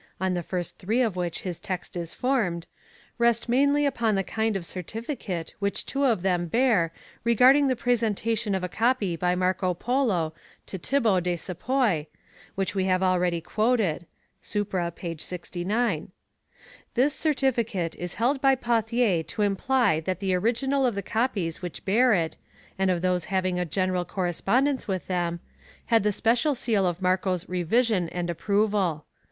(on the first three of which his Text is formed) rest mainly upon the kind of certificate which two of them bear regarding the presentation of a copy by Marco Polo to Thibault de Cepoy, which we have already quoted {supra^ p. 6g). This certificate is held by Pauthier to imply that the original of the copies which bear it, and of those having a general correspondence with them, had the special seal of Marco's revision and approval.